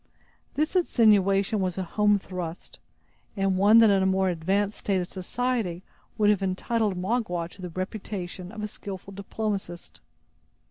This insinuation was a home thrust, and one that in a more advanced state of society would have entitled Magua to the reputation of a skillful diplomatist.